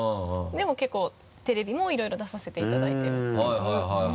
でも結構テレビもいろいろ出させていただいてるっていう。